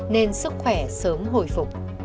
nên sức khỏe sớm hồi phục